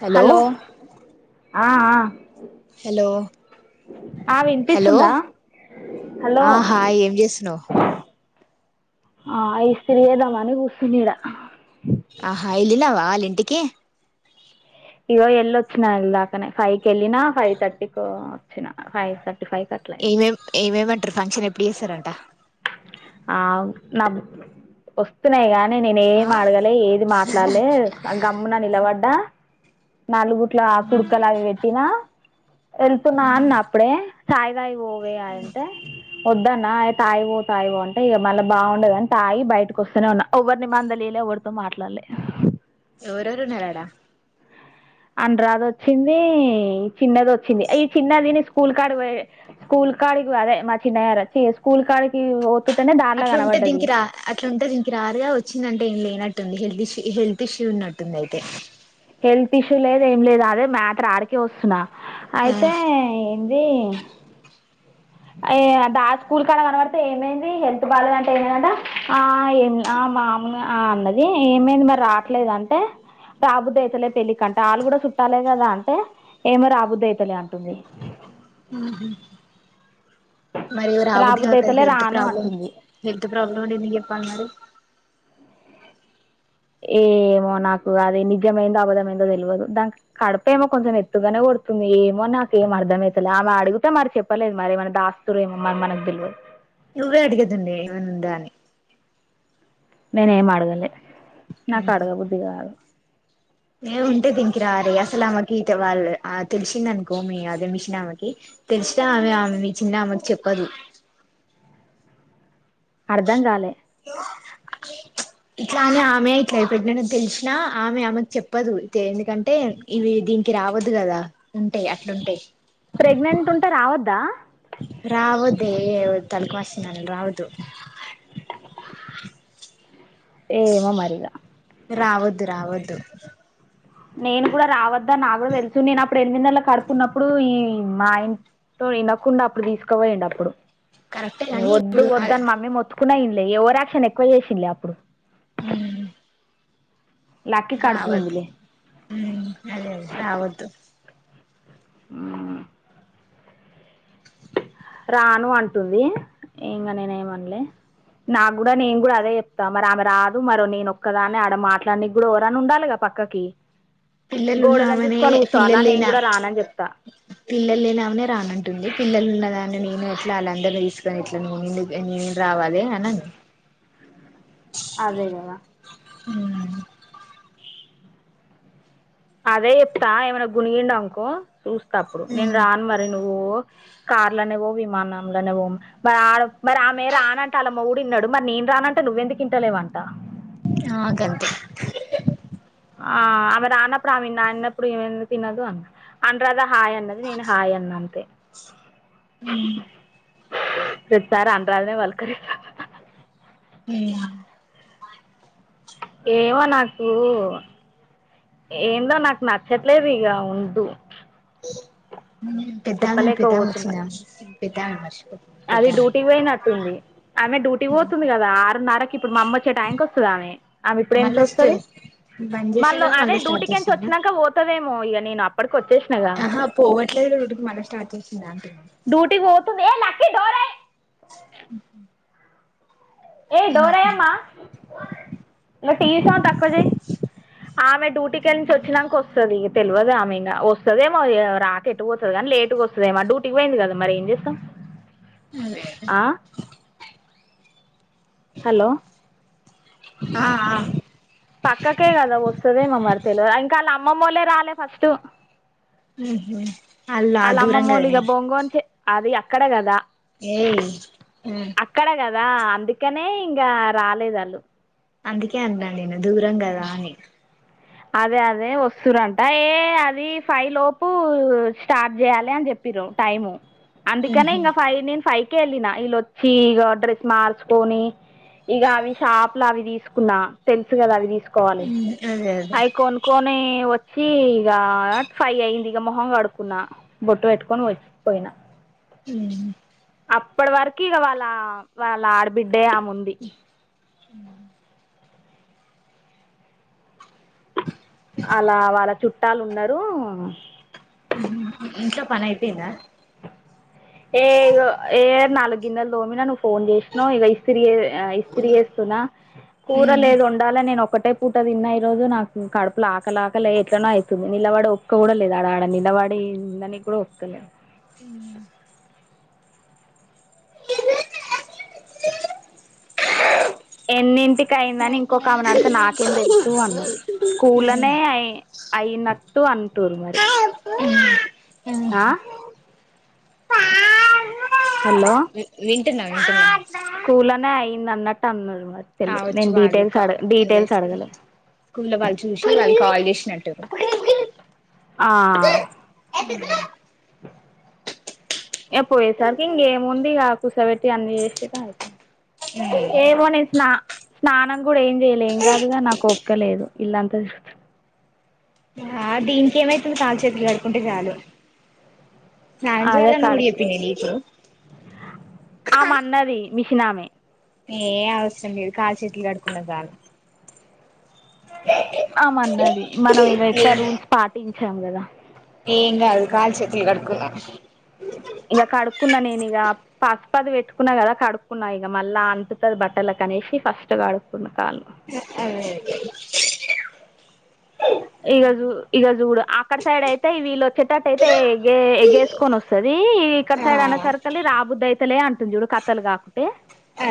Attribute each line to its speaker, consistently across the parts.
Speaker 1: hello
Speaker 2: ఆ ఆ
Speaker 1: hello
Speaker 2: ఆ
Speaker 1: హలో
Speaker 2: వినిపిస్తుందా
Speaker 1: హాయ్ ఏం చేస్తున్నా్
Speaker 2: అహ్ ఇస్తిరి చేదం అని కూర్చున్న ఇడా
Speaker 1: ఆహా వెళ్ళినవా వాళ్ళ ఇంటికి
Speaker 2: ఇగో ఎళ్ళ వచ్చినా దాకానే ఫైవ్ క వెళ్ళినా ఫైవ్ థర్టీకి వచ్చిన ఫైవ్ థర్టీ ఫైవ్ కి అట్లా అయింది
Speaker 1: ఏమేం ఏమేమంటారు ఫంక్షన్ ఎప్పుడు చేస్తారంట
Speaker 2: ఆ వస్తున్నాయి కానీ నేనేం
Speaker 1: ఆ
Speaker 2: ఏమి అడగాలే ఏది మాట్లాడలే గమ్మున నిలబడ్డా నలుగుట్ల కుడుకలు అవి పెట్టినా వెళ్తున్నా అన్న అప్పుడే చాయ్ తాగి పోవే అంటే వద్దన్న అ తాయి పో తాయి బాగుంటే ఇక మళ్ళా బాగుండదు అంటే తాయి బయటకు వస్తేనే ఉన్నా ఎవరిని మందలిలే ఎవరితో మాట్లాడలే
Speaker 1: ఎవర్యవారు ఉన్నారు ఆడ
Speaker 2: అనురాధ వచ్చింది చిన్నది వచ్చింది ఈ చిన్నదిని స్కూల్ కడు పో స్కూల్ స్కూల్ కాడికి అదే మా చిన్నయచ్చ స్కూల్ కాళకి
Speaker 1: అట్లాంటే దీనికి రా అట్లుంటే దీనికి రారుగా వచ్చిందంటే ఏం లేనట్టు హెల్త్ ఇషూ ఉన్నట్టుంది అయితే
Speaker 2: హెల్త్ ఇష్యూ లేదు ఏం లేదు అదే మ్యాటర్ ఆడికే వస్తున్నా అయితే ఏంది ఏ స్కూల్ కాడ కనబడితే ఏమైంది హెల్త్ బాగలేదంటే ఏమైందంట ఆ ఏం మామూలు ఆ అన్నది ఏమైంది మరి రావట్లేదు అంటే రాబుద్దు అయితలే పెళ్లికి అంట వాళ్ళు చుట్టాలే కదా అంటే ఏమో రాబుద్ధి అయితలే అంటుంది
Speaker 1: హ్మ్మ్ మరి రాబుదీ
Speaker 2: రాబుద్ది
Speaker 1: కాక
Speaker 2: అవుతలే
Speaker 1: హెల్త్
Speaker 2: రాను
Speaker 1: ప్రాబ్లమ్
Speaker 2: అంటుంది
Speaker 1: హెల్త్ ప్రాబ్లమ్ ఎందుకు పల్నాడు
Speaker 2: ఏ ఏమో నాకు అదిే నిజమైందో అబధమైందో తెలియదు దానికి కడుపు ఏమో కొంచెం ఎత్తుగానే డుతుంది ఏమో నాక ఏం అర్థమవుసలే ఆమె అడిగితే మరి చెప్పలేదు మరి ఏమ దాస్తురు ఏమో మరి మనకు తెలివదు
Speaker 1: నువ్వే అడిగేది ఏమైనా ఉందా అని
Speaker 2: నేనేం అడగలే నాకు అడగ బుద్ధి కాదు
Speaker 1: ఏ ఉంటే దీనికి రాదు ఇగ అసలు ఆమెకి వాళ్ళు ఆ తెలిసింద అనుకో మీ అదే మీ చిినమకి తెలిసినా ఆమె ఆమె మీ చిన్నమ అ చెప్పదు
Speaker 2: అర్థం కాలే
Speaker 1: అ ఇట్లానే ఆమె ఇట్లా అయి పెట్టిన తెలిసినా ఆమె ఆమెకి చెప్పదు ఎందుకంటే ఇవి దీనికి రావదు కదా ఉంటె అట్లుంటె
Speaker 2: ప్రెగ్నెంట్ ఉంటే రావొద్దు
Speaker 1: రావొద్దు ఏ తళుకు
Speaker 2: ఏమో మరీగ
Speaker 1: రావదు రావద్దు
Speaker 2: నేను కూడా రావద్దా నాకు కూడా తెలుసు నేను అప్పుడు ఎనిమిది నెలలు కడుపుకున్నప్పుడు ఈ మా ఇంనతో వినకుండా అప్పుడు తీసుకపోయిండు అప్పుడు
Speaker 1: కరెక్టే
Speaker 2: మేమ్
Speaker 1: కానీ
Speaker 2: వద్దు
Speaker 1: ఇప్పుడు
Speaker 2: వద్దు అని మమ్మీ మొత్తుకున్న ఇన్లే ఎవర్ యాక్షన్ ఎక్కువ చేసింలే అప్పుడు
Speaker 1: మ్
Speaker 2: లక్కీ కడుపులో
Speaker 1: రావద్దు
Speaker 2: ఉందిలే
Speaker 1: మ్ అదే అదే రావద్దు
Speaker 2: మ్ రాను అంటుంది ఇంగా నేనే ఏమనలే నాకు కూడా నేను కూడా అదే చెప్తా మరి ఆమె రాదు మరో నేను ఒక్కదానే ఆడ మాట్లానికి కూడా ఓరన ఉండాలి కదా అక్కకి
Speaker 1: పిల్లలు ఉన్నామనే
Speaker 2: నేను
Speaker 1: పిల్లలేనా
Speaker 2: కూడా రానని చెప్తా
Speaker 1: పిల్లలు లేని ఆమెనే రానంటుంది పిల్లలు ఉన్నదా నేను ఎట్లా ఆళ్ళందర్నీ తీసుకొని ఎట్లాని పోను నేం రావాలి అనని [inaudible]
Speaker 2: అదేగదా
Speaker 1: మ్
Speaker 2: అదే చెప్తా ఏమైనా గునిగిం అనుకో చూస్తా అప్పుడు నేను
Speaker 1: అను
Speaker 2: రాను మరి నువ్వు కార్ లోనేపొ విమానంలోనేపొ మరి ఆమె రానంటే ఆళ్ళ మొగుడు ఇన్నడుమరి నే రానంటే నువ్వెందుకు ఇంట లేవంట
Speaker 1: ఆ గంతే
Speaker 2: ఆ ఆమె రాన్నప్పుడు ఆమె నా అన్నప్పుడు ఈమె ఎం తినదు అనరాధ హాయ్ అన్నది నేను హాయ్ అన్న అంతే
Speaker 1: మ్
Speaker 2: ఈసారి అనురాదనే పల్కరి
Speaker 1: య
Speaker 2: ఏమో నాకు ఏందో నాకు నచ్చట్లేదు ఇగ ఉండు
Speaker 1: పెద్దా
Speaker 2: చెప్పలేకపోతున్నా
Speaker 1: పెద్దమొచ్చిందా పెద్దామనిమర్చి
Speaker 2: అది డ్యూటీ పోయినట్టుంది ఆమె డ్యూటీ పోతుంది కదా ఆరున్నరకి ఇప్పుడు మా అమ్మ వచ్చే టైంకి వస్తుంది ఆమె ఆమె ఇప్పుడు ఎంత
Speaker 1: మళ్ళా స్టే
Speaker 2: వస్తది
Speaker 1: బంద్
Speaker 2: మల్లె
Speaker 1: చేసిందా
Speaker 2: అదే
Speaker 1: మళ్ళా స్టార్ట్
Speaker 2: డ్యూటీకించి
Speaker 1: చేసిందా
Speaker 2: వచ్చాక పోతుదేమో ఇగ
Speaker 1: ఆహా పోవట్లేదు మల్ల స్టార్ట చేసింద అంటన్నా
Speaker 2: డ్యూటీకి పోతుంది ఏ లక్కీ డోరి
Speaker 1: [inaudible]
Speaker 2: ఏ డోరెయ్యమ్మ టీవీ సౌండ్ తక్కువ చేయ్ ఆమె డ్యూటీకిెళ్లిసి వచ్చినాక వస్తది తెల్వదు ఆమె ఇంకా వస్తుదేమో రాకేటు పోతది కానీ లేటు వస్తుదే మా డ్యూటీకి పోయింది కదా మరి ఏం చేస్తాం
Speaker 1: మ్
Speaker 2: హలో
Speaker 1: ఆ ఆ
Speaker 2: పక్కకే కదా వస్తుదే మమ్మరి తెలి ఇంకా వాళ్ళ అమ్మమ్మళ్లే రాలే ఫస్ట్
Speaker 1: ఉహు అల్లా
Speaker 2: అళ్లా
Speaker 1: దూరం
Speaker 2: అమ్మమూలుక
Speaker 1: కదనే
Speaker 2: బొంగోని అది అక్కడ కదా
Speaker 1: ఏయ్
Speaker 2: ఆ అందుకనే ఇంగా రాలేదు వాళ్ళు
Speaker 1: అందుకే అన్నాను నేను దూరం కదా అని
Speaker 2: అదే అదే వస్తురంట ఏ అది ఫైవ్ లోపు స్టార్ట్ చేయాలి అని చెప్ టైము అందుకనే
Speaker 1: ఉహు
Speaker 2: ఇంకా ఫైవ్ నేను ఫైవ్ వెళ్ళిన ఇల్లొచ్చి డ్రెస్ మార్చుకొని ఇగ అవి షాప్ లో అవి తీసుకున్నా తెలుసు కదా అవి తీసు
Speaker 1: ఉ ఆదే
Speaker 2: అయీ కోన్ కోని వ వచ్చి ఇక ఫైవ్ అయింది ఇక మొహంగా కడుకున్నా బొట్ పెట్టుకొని వచ్చి పోయినా
Speaker 1: ఆ
Speaker 2: అప్పటి వరకు ఇక వాళ్ళ వాళ్ళ ఆడబిడ్డే అమీ ముంది
Speaker 1: అ [unintelligible]
Speaker 2: అలా వాళ్ళ చుట్టాలు ఉన్నారు
Speaker 1: ఇంట్లో పని అయ్యిపోయింద
Speaker 2: ఏ ఏ నాలు గిన్న లోమ ను ఫోన్ చేసినావు ఇక ఇస్త ఇస్త్రీ చేేస్తున్నా కూర
Speaker 1: ఉమ్
Speaker 2: లేదు ఉండాల నేను ఒకటే పూట తిన్న ఈ రోజు నాకు కడుపులు ఆకలా ఆకలే ఎట్లనో అయీతది నిలవాడి ఒక్క కూడా లేదు ఆడ ఆడ నిలవాడి మన కూడా వతలే
Speaker 1: హ
Speaker 2: ఎన్నింటికి అయిందని ఇంకొక ఆమె నాడితే నాకేం తెలుసు అన్నది స్కూల్నే అయి అయిన ఆన్ టూ మరి
Speaker 1: ఉమ్
Speaker 2: ఆ
Speaker 1: ఉమ్ [unintelligible]
Speaker 2: హలో
Speaker 1: వింటటిన్నా వింటన్నా
Speaker 2: స్కూల్ లోనే అయింది అన్నట్టు అన్నారు మరి తెలు
Speaker 1: కావచ్చు
Speaker 2: నేను
Speaker 1: వాళ్ళ
Speaker 2: డీటెయిల్స్
Speaker 1: కా
Speaker 2: అడగ డీటెయిల్స్ అడగలే
Speaker 1: స్కూ లో వాళ్ళు చూసిన వాళ్ళు కాాల చేసినటూ అ [unintelligible]
Speaker 2: ఆ య పోయేసరికి ఇంకేముంది ఇక కూసబెట్టి అన్ని చేసిట అయితే
Speaker 1: అ [unintelligible]
Speaker 2: స్నా స్నానం కూడా ఏం చేయలే ఏం కాదుగా నాకు ఒపిక లేదు ఇల్లంతా
Speaker 1: ఆ దీనికి ఏమైతుంది కాళు చేతులు కడుకుంటే చాలు స్నానం
Speaker 2: అదే
Speaker 1: చేయాలన్న కూడా
Speaker 2: కడకు
Speaker 1: చెప్పింది నీకు
Speaker 2: ఆ మన్నది మిషినమె
Speaker 1: ఏ అవసరం మీదు కాలు చెట్లు కడుకుంటే చాలు
Speaker 2: అ మన్నది మనం ఇంక ఎక్కువ రూల్స్ పాటించాం కదా
Speaker 1: ఏం కాదు కాళ్లు చేతిలు కడుక్కో
Speaker 2: ఇక పసుపాది పెట్టుకున్నా కదా కడుక్కున్నా ఇక మళ్ళా అంటుతుంది బట్టల కనేసి ఫస్ట్ కడుక్కున్న కాళ్లు
Speaker 1: అదే [unintelligible]
Speaker 2: ఇగ జూ ఇగ చూడు అక్కడ సైడ్ అయితే వీళ్ళ వచ్చేటట్టటు అయితే గేసుకొని వస్తుది ఇక్కడ
Speaker 1: ఆ
Speaker 2: సైడ్ అన్న సర్కల్ రాబుద్దు అయితలే అంటుంది చూడు కథలు కాక అంటే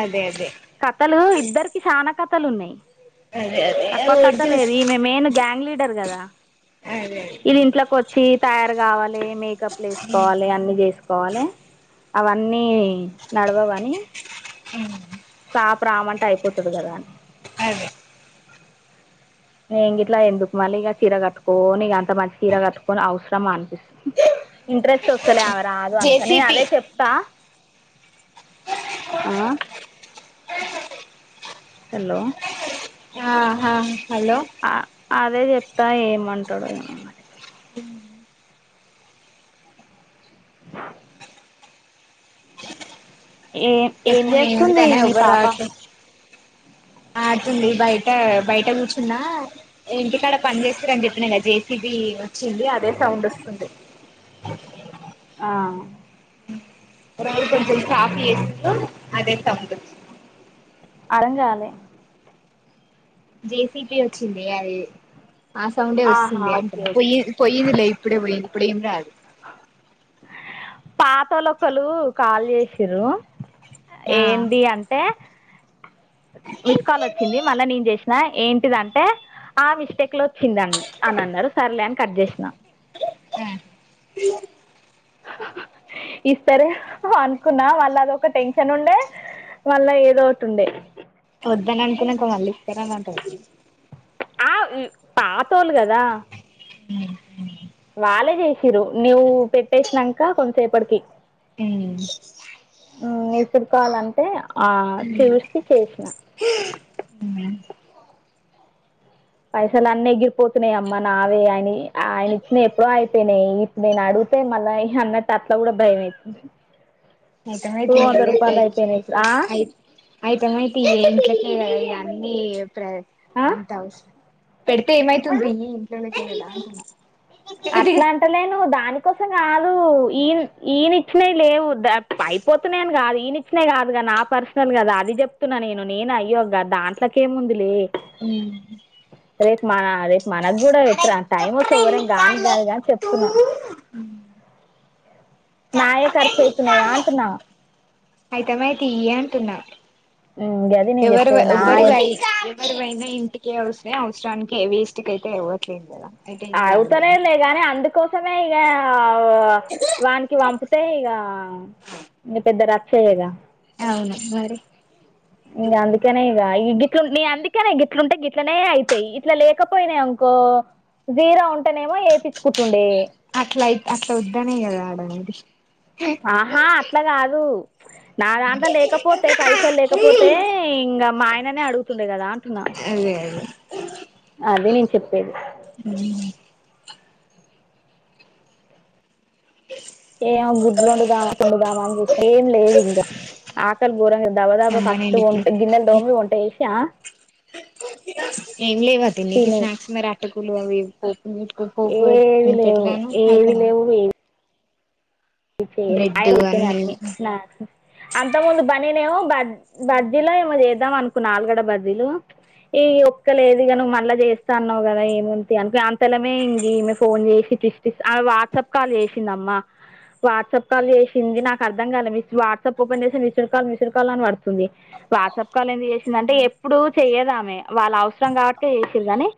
Speaker 1: అదే అదే
Speaker 2: కథలు ఇద్దరికి చానా కథలు ఉన్నాయి
Speaker 1: అదే అదే
Speaker 2: తక్కువ
Speaker 1: ఓటి
Speaker 2: కథ లేదు
Speaker 1: చూసి
Speaker 2: ఈమె మెయిన్ గ్యాంగ్లీడ్ కదా
Speaker 1: అదే
Speaker 2: ఇది ఇంట్లోకి వచ్చి తయారు కావాలి మ కప్పులు వేసుకోవాలి అన్నీ చేసుకోవాలి అవన్నీ నడవవని
Speaker 1: ఉ [unintelligible]
Speaker 2: ఆ ప్ర రామంట అయిపోతుంది కదా అని
Speaker 1: అదే
Speaker 2: నే ఇట్లా ఎందుకు మళ్ళీ ఇక చీర కట్టుకోని ఇక అంత మంచి చీర కట్టుకొని అవసరం అనిపిస్తుంది ఇంట్రెస్ట్ వస్తులే రాదు అనస నేను
Speaker 1: జేసిపి
Speaker 2: అదే చెప్తా ఆ హలో
Speaker 1: ఆహ
Speaker 2: ఆ అదే చెప్తా ఏమమంటాడు ఏమో మరి ఏం ఏం
Speaker 1: ఎప్పుడు
Speaker 2: చేస్తుంది
Speaker 1: తనే
Speaker 2: మీ
Speaker 1: ఎవ్వరు
Speaker 2: పాప
Speaker 1: రావట్లే ఆతుంది బయట బయట కూర్చున్నా ఇంటికాడ పని చేస్తూరని చెప్పిన కదా జేసీబి వచ్చిండు అదే సౌండ్ వస్తుంది
Speaker 2: ఆ
Speaker 1: రోజు కొంచం సాప్ చేస్తుంది అదే [unintelligible]
Speaker 2: అర్ధంకాలే
Speaker 1: జేసికే వచ్చిందే అది ఆ సౌండే
Speaker 2: ఆహా
Speaker 1: వస్తుంది
Speaker 2: ఓకే
Speaker 1: అంటున్న
Speaker 2: ఓకే
Speaker 1: పోయి పోయిది లే ఇప్పుడే పోయింది ఇప్పుడెం రాదు
Speaker 2: పాతోలొక్కలు కాలు చేసిరూ
Speaker 1: ఆ
Speaker 2: ఏందీ అంటే మిస్ కాల్ వచ్చింది మళ్ళా నేను చేసినా ఏంటిదంటే ఆ మిస్టేక్ లో వచ్చిందం అని అన్నాడు సర్లే అని కట్ చేసినా
Speaker 1: హూ
Speaker 2: ఇస్తరూ అనుకున్నా మళ్ళా అది ఒక టెన్షన్ ఉండే మాల్ ఏదొ ఓటి ఉండే
Speaker 1: వద్దనిఅనుకున్నాక మళ్ళీ ఇస్తారనీ అంటది
Speaker 2: ఆ పాతోళ్లు కదా
Speaker 1: ఉహు
Speaker 2: వాళ్ళే చేసిరూ నువు పెట్టేసినాక కొంసేపటికి
Speaker 1: హుం
Speaker 2: విసురు కోవాలంటే ఆ చూస్త చేసినా
Speaker 1: [inaudible]
Speaker 2: పైసలు అన్నీ ఎగిరిపోతున్నాయి అమ్మ నావి ఆయన ఆయన ఇచ్చిన ఎప్పుడో అయిపోయినాయి ఇప్పుడు నేను అడుగు తే మల్ల అన్న అట్లా కూడా భయమ
Speaker 1: అయితే మాయి తి ఇగ
Speaker 2: అయిపోయినాయి ఇప్పుడు ఆ
Speaker 1: అయితే మాయి తీ ఇగ ఇంట్లకే గదా నీ
Speaker 2: ఆ
Speaker 1: [unintelligible] అంత అవసర పెడితే ఏమైతుంది తియ్యి ఇంట్లోలకే కదా అంటున్న
Speaker 2: అట్లా అంటలేను దానికోసం ఈయ ఈయన ఇచ్చినావి లేవు ద అయిపోతున్నాయని కాదు నేను ఇచ్చినయి కాదుగా నా పర్సనల్ కదా అది చెప్తున్నా నేను నేను అయ్యో దాంట్లోకేముంది లే
Speaker 1: హుం
Speaker 2: రేపు మన అ రేపు మనకు కూడా పెట్టారా టైమ్ ఓస్తే ఎవర నీకి కాదు గాని చెప్తున్నా నాయే కర్చైతున్నాయిగ అంటున్నా
Speaker 1: అయితేమయి తీయి అంటున్నా
Speaker 2: ఉమ్, అది నేను
Speaker 1: ఎవరు
Speaker 2: చెప్పేది నా
Speaker 1: ఎవ్వరివై వరివైనా ఇంటిక వస్తే అవసరానికె వేస్ట్ కయితే ఇవ్వట్లేదు కదా అయితే ఏం కాదులే
Speaker 2: అవుతలే
Speaker 1: అంట
Speaker 2: లేగాని అందుకోసమే ఇగా వానికి పంపితే ఇక న పెద్ద రచ్చె కదా
Speaker 1: అవును మరి
Speaker 2: ఇ అందుకనే ఈ గిట్లు నీ అందుకెనే గిట్లుంటే గిట్లనే అయితాయి ఇట్లా లేకపోయినాయి అనుకో జీరో ఉంటెనేమో ఏపిచుకుంటుండే
Speaker 1: అట్లాయి అట్లోద్దనే కద ఆడనేది
Speaker 2: ఆహా అట్ల కాదు నా దాంట్ల లేకపోతే పైసలు లేకపోతే
Speaker 1: అదే
Speaker 2: ఇంకా మా ఆయననే అడుగుతుండే కదా టున్న
Speaker 1: అదే
Speaker 2: అదే నేను చెప్పేది ఏమ గుడ్లు వండుదామా వండుదామా అని చూస్తున్న ఏం లేవు ఇంకా ఆకలి గోరంగైంది దబదబ్బా ఫస్ట్
Speaker 1: ఏమ్మనండి
Speaker 2: వ
Speaker 1: ఇప్పుడు
Speaker 2: గిన్నెలు దోమి వంట చేసి
Speaker 1: ఏం లేవ తిన్నికి
Speaker 2: తినేది
Speaker 1: స్నాక్స్ మరీ అటుకులు అవి పోపుకు పోపు
Speaker 2: ఏవి
Speaker 1: పె
Speaker 2: లేవు
Speaker 1: పెట్టనాయి
Speaker 2: [unintelligible] లేవు చెయ్యలే ఆయిల్ అయిపోయినాయి అన్ని నాకు అంత ముందు బనీనేమో బ బజ్జీలో ఏమో చేద్దాం అనుకున్న ఆలుగడ బజ్జీలు ఈ ఒక్కలేదుగా నువ్వు మళ్ళా చేస్తా అన్నావు కదా ఏముంది అనుకో అంతలమే ఇంమె ఫోన్ చేసి వాట్సాప్ కాల్ చేసిందిమ్మా వాట్సాప్ కాల్ చేసింది నాకు అర్థం కాల మిస్ వాట్సాప్ ఓపెన్ చేసి మిస్డ్ కాల్ మిస్డ్ కాల్ అని పడుతుంది వాట్సాప్ కాల్ ఎందుకు చేసిందంటే ఎప్పుడు చేయ్యదామె వాళ్ళ అవసరం కాబట్టే చేసింది ఆమె